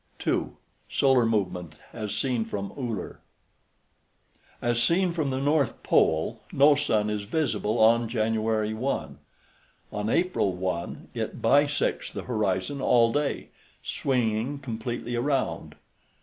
2. SOLAR MOVEMENT AS SEEN FROM ULLER As seen from the north pole no sun is visible on Jan. 1. On April 1, it bisects the horizon all day, swinging completely around.